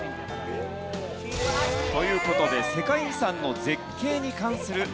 という事で世界遺産の絶景に関する問題です。